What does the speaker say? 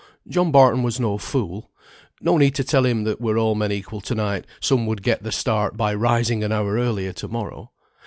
John Barton was no fool. No need to tell him that were all men equal to night, some would get the start by rising an hour earlier to morrow.